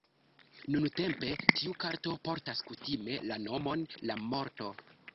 Nuntempe tiu karto portas kutime la nomon "La Morto".